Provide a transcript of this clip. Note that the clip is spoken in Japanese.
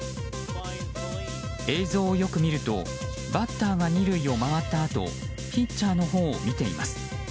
映像をよく見るとバッターが２塁を回ったあとピッチャーのほうを見ています。